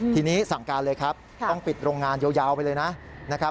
ทีนี้สั่งการเลยครับต้องปิดโรงงานยาวไปเลยนะครับ